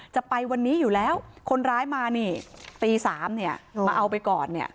จะไปวันนี้อยู่แล้วคนร้ายมานี่ตี๓เนี่ยมาเอาไปก่อนเนี่ย